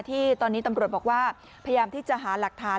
ที่ตอนนี้ตำรวจบอกว่าพยายามที่จะหาหลักฐาน